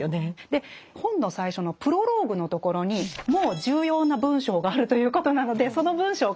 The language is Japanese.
で本の最初のプロローグのところにもう重要な文章があるということなのでその文章から見ていこうと思います。